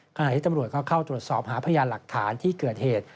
ขณะที่ตำรวจก็เข้าตรวจสอบหาพยานหลักฐานที่เกิดเหตุ